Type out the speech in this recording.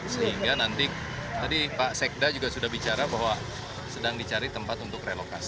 sehingga nanti tadi pak sekda juga sudah berkata yang ini adalah daerah yang tidak bisa dikembalikan